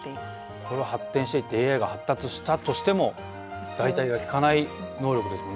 これは発展していってＡＩが発達したとしても代替がきかない能力ですもんね。